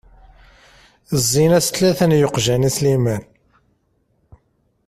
Zzin-as tlata n yeqjan i Sliman.